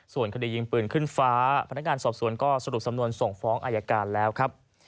ส่วนคดียิงปืนขึ้นฟ้าพนักงานสอบสวนก็สรุปสำนวนส่งฟ้องอายการแล้วครับ